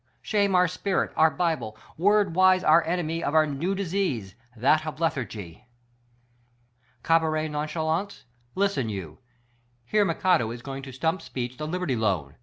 Shame our s pirit — our bible : Word wise our enemy of our new disease: That of lethargy. Cabaret nonchalance, listen you : Hear McAdoo is going to stump speech the Liberty Loan?